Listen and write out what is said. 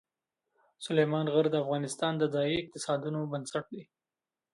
سلیمان غر د افغانستان د ځایي اقتصادونو بنسټ دی.